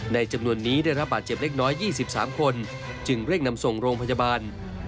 จำนวนนี้ได้รับบาดเจ็บเล็กน้อย๒๓คนจึงเร่งนำส่งโรงพยาบาล